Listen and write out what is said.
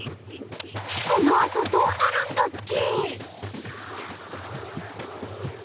このあとどうなるんだっけ？